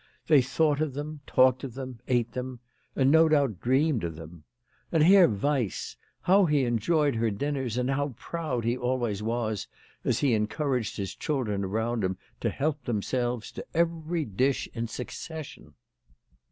They thought of them, talked of them, ate them, and no doubt dreamed of them. And Herr Weiss how he enjoyed her dinners, and how proud he always was as he encouraged his children around him to help them selves to every dish in succession